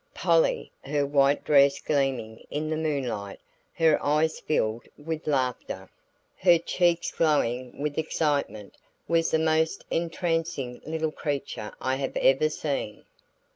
Polly, her white dress gleaming in the moonlight, her eyes filled with laughter, her cheeks glowing with excitement, was the most entrancing little creature I have ever seen.